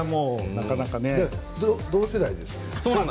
同世代ですよね。